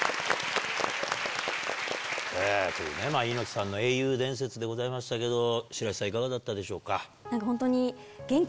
猪木さんの英雄伝説でございましたけど白石さんいかがだったでしょうか？